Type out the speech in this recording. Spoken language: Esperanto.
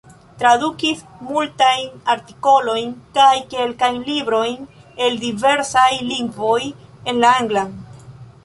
Tradukis multajn artikolojn kaj kelkajn librojn el diversaj lingvoj en la anglan.